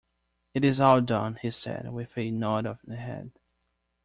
"It is all done," he said, with a nod of the head.